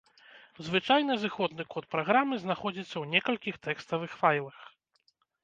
Звычайна зыходны код праграмы знаходзіцца ў некалькіх тэкставых файлах.